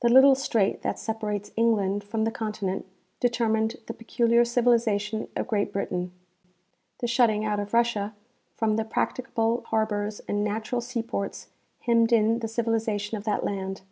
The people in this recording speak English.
The little strait that separates England from the continent determined the peculiar civilization of Great Britain. The shutting out of Russia from the practicable harbors and natural seaports, hemmed in the civilization of that land.